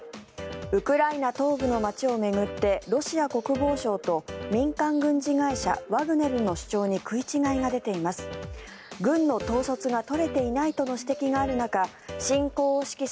ウクライナ東部の街を巡ってロシア国防省と民間軍事会社ワグネルの主張に食い違いが出ています。